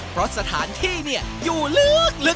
เพราะสถานที่อยู่ลึก